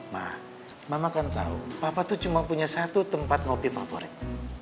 nah mama kan tahu papa itu cuma punya satu tempat ngopi favorit